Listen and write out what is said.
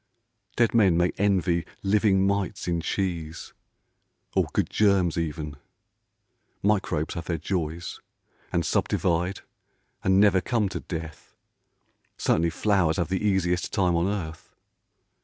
Dead men may envy living mites in cheese, Or good germs even. Microbes have their joys, And subdivide, and never come to death, Certainly flowers have the easiest time on earth.